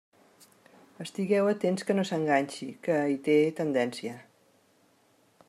Estigueu atents que no s'enganxi, que hi té tendència.